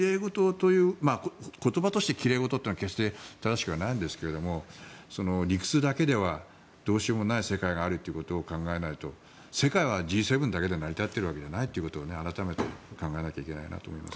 言葉として奇麗事というのは決して正しくはないんですが理屈だけではどうしようもない世界があるということを考えないと世界はＧ７だけで成り立っているわけではないということを改めて考えなきゃいけないなと思います。